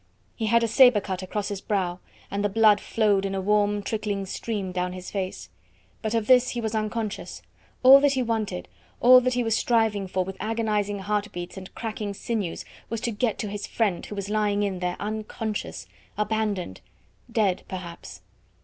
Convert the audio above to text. He had a sabre cut across his brow, and the blood flowed in a warm, trickling stream down his face. But of this he was unconscious; all that he wanted, all that he was striving for with agonising heart beats and cracking sinews, was to get to his friend, who was lying in there unconscious, abandoned dead, perhaps.